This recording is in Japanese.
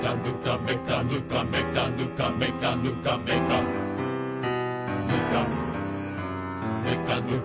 「めかぬかめかぬかめかぬかめかぬかめかぬか」